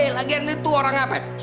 lagian itu orang apa